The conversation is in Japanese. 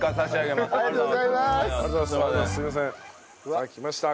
さあきました。